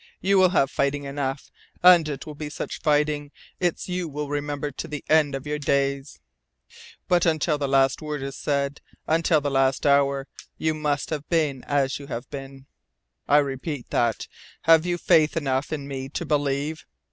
You will have fighting enough. And it will be such fighting its you will remember to the end of your days. But until the last word is said until the last hour, you must be as you have been. I repeat that. Have you faith enough in me to believe?"